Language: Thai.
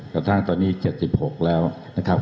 กระทั่งตอนนี้ศัพท์สิบหกแล้วครับ